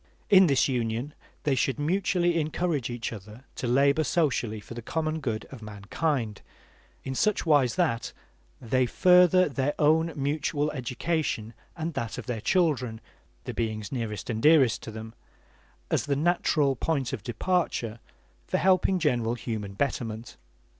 In this union they should mutually encourage each other to labor socially for the common good of mankind, in such wise that they further their own mutual education and that of their children, the beings nearest and dearest to them, as the natural point of departure for helping general human betterment.